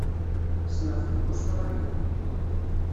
Ssneɣ-t deg Ustṛalya.